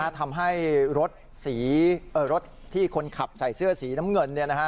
ทำให้รถที่คนขับใส่เสื้อสีน้ำเงิน